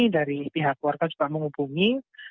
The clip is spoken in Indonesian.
dari pihak keluarga juga menghubungi